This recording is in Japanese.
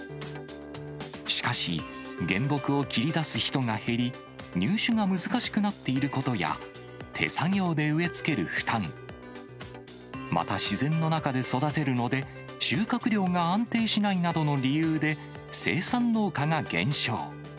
しかし、原木を切り出す人が減り、入手が難しくなっていることや、手作業で植え付ける負担、また自然の中で育てるので、収穫量が安定しないなどの理由で生産農家が減少。